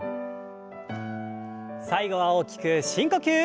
最後は大きく深呼吸。